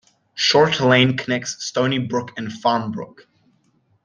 Short Lane connects Stoneybrook and Farmbrook.